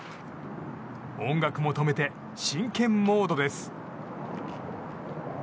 音楽も止めて真剣モードです。